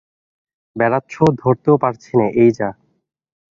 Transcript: বেড়াচ্ছে, ধরতেও পারছিনে, এই যা।